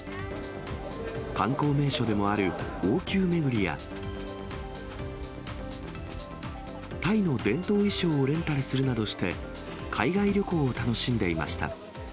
観光名所でもある王宮巡りや、タイの伝統衣装をレンタルするなどして、海外旅行を楽しんでいました。